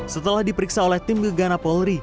setelah diperiksa oleh tim gegana polri